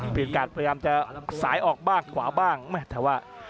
ปลิดการพยายามจะสายออกบ้างขวาบ้างไม่แต่ว่า